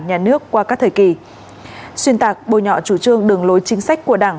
nhà nước qua các thời kỳ xuyên tạc bôi nhọ chủ trương đường lối chính sách của đảng